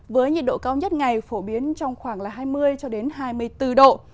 với nhiệt độ cao nhất ngày phổ biến trong khoảng hai mươi hai mươi bốn độ